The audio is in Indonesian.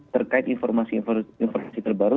terkait informasi informasi terbaru